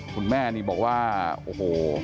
คุณแม่นี่บอกว่าโอ้โห